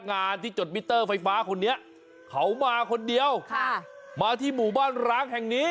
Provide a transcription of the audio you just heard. อ่าทั้งหมู่บ้าน